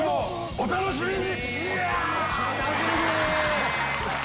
お楽しみに！